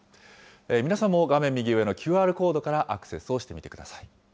皆さんも画面右上のＱＲコードからアクセスをしてみてください。